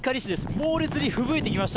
猛烈にふぶいてきました。